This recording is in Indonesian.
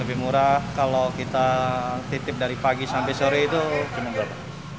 lebih murah kalau kita titip dari pagi sampai sore itu cuma berapa